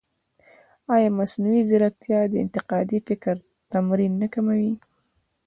ایا مصنوعي ځیرکتیا د انتقادي فکر تمرین نه کموي؟